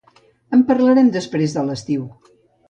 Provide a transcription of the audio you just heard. En parlarem després de l'estiu.